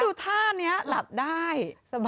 ดูท่านี้หลับได้